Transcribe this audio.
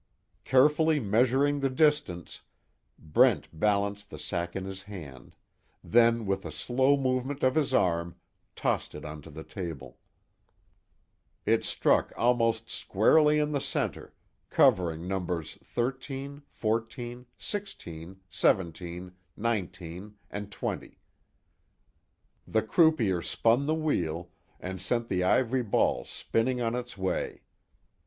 Carefully measuring the distance, Brent balanced the sack in his hand, then with a slow movement of his arm, tossed it onto the table. It struck almost squarely in the center, covering Numbers 13, 14, 16, 17, 19, and 20. The croupier spun the wheel, and sent the ivory ball spinning on its way.